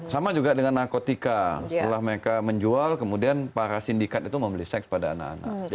sama juga dengan narkotika setelah mereka menjual kemudian para sindikat itu membeli seks pada anak anak